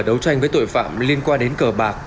đấu tranh với tội phạm liên quan đến cờ bạc